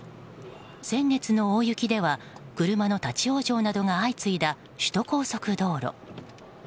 先月の大雪では車の立ち往生などが相次いだ首都高速道路。